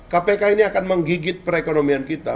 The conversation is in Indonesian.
kpk ini akan menggigit perekonomian kita